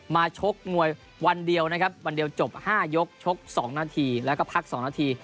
ชกมวยวันเดียวนะครับวันเดียวจบ๕ยกชก๒นาทีแล้วก็พัก๒นาที